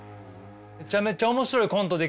めちゃめちゃ面白いコントで